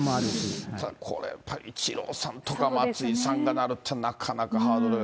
これやっぱりイチローさんとか、松井さんがなるってなかなかハードルが。